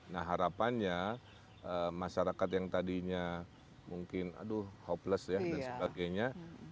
nah harapannya masyarakat yang tadinya mungkin aduh hopeless ya dan sebagainya